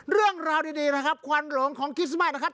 เรื่องราวดีนะครับควันหลงของคริสต์มาสนะครับ